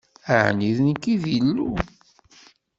Ɛni d nekk i d Illu?